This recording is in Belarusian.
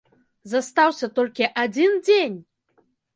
Застаўся толькі адзін дзень!